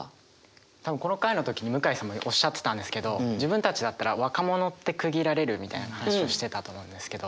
多分この回の時に向井さんもおっしゃってたんですけど自分たちだったら若者って区切られるみたいな話をしてたと思うんですけど。